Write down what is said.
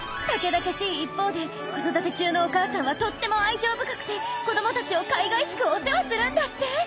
たけだけしい一方で子育て中のお母さんはとっても愛情深くて子どもたちをかいがいしくお世話するんだって。